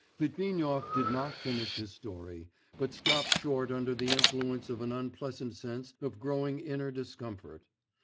Litvinov did not finish his story, but stopped short under the influence of an unpleasant sense of growing inner discomfort.